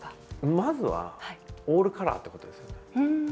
まずはオールカラーってことですよね。